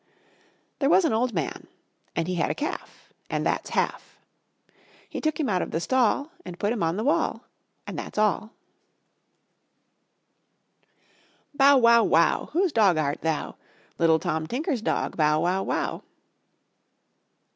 There was an old man, And he had a calf, And that's half; He took him out of the stall, And put him on the wall, And that's all. Bow, wow, wow! Whose dog art thou? Little Tom Tinker's dog, Bow, wow, wow!